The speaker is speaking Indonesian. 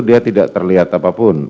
dia tidak terlihat apapun